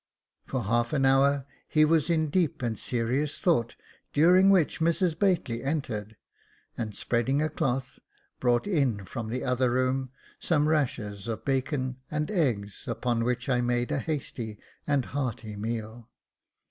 For half an hour he was in deep and serious thought, during which Mrs Bately entered, and spreading a cloth, brought in from the other room some rashers of J.F. 2 B 386 Jacob Faithful bacon and eggs, upon which I made a hasty and hearty meal.